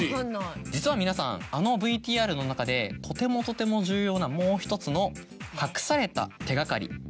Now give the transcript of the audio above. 実は皆さんあのＶＴＲの中でとてもとても重要なもう１つの隠された手がかり。